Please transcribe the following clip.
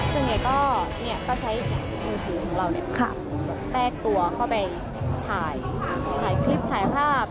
ส่วนใหญ่ก็ใช้มือถือของเราแทรกตัวเข้าไปถ่ายคลิปถ่ายภาพ